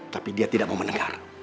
tapi dia tidak mau mendengar